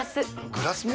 グラスも？